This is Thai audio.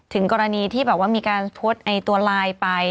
ถึงกรณีที่แบบว่ามีการทวดตัวลายไป